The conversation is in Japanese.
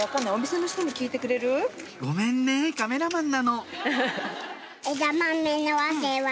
ごめんねカメラマンなの枝豆？